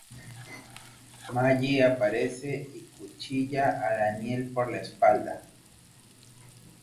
Maggie aparece y cuchilla a Daniel por la espalda.